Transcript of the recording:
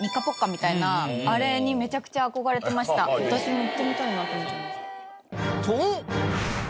私も行ってみたいなと思っちゃいました。